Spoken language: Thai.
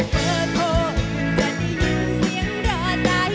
เบอร์โทรจะได้ยินเสียงรอใจ